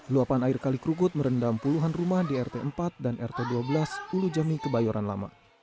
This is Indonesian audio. luapan air kali kerukut merendam puluhan rumah di rt empat dan rt dua belas ulu jami kebayoran lama